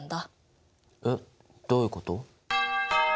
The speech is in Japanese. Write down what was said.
えっどういうこと？